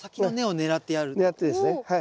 狙ってですねはい。